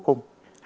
học theo tấm gương